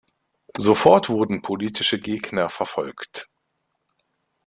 Sofort wurden politische Gegner verfolgt.